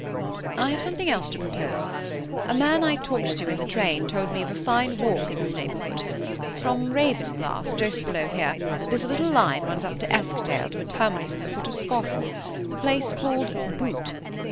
"I have something else to propose. A man I talked to in the train told me of a fine walk in this neighbourhood. From Ravenglass, just below here, there's a little line runs up Eskdale to a terminus at the foot of Scawfell, a place called Boot.